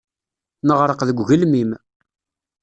Neɣreq deg ugelmim.